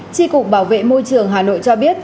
tri cục bảo vệ môi trường hà nội cho biết